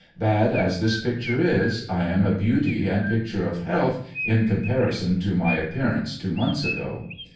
Bad as this picture is, I am a beauty and picture of health in comparison to my appearance two months ago.